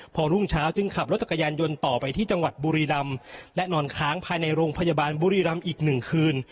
พอรุ่งเช้าจึงขับรถจักรยานยนต์ต่อไปที่จังหวัดบุรีรำและนอนค้างภายในโรงพยาบาลบุรีรำอีกหนึ่งคืน